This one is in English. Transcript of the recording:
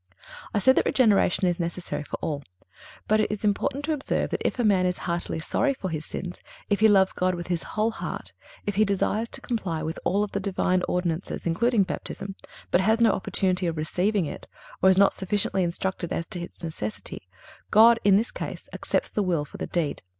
I said that regeneration is necessary for all. But it is important to observe that if a man is heartily sorry for his sins, if he loves God with his whole heart, if he desires to comply with all the Divine ordinances, including Baptism, but has no opportunity of receiving it, or is not sufficiently instructed as to its necessity, God, in this case, accepts the will for the deed.